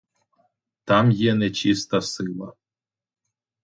Там є нечиста сила.